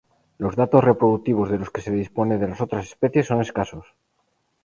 Los datos reproductivos de los que se dispone de las otras especies son escasos.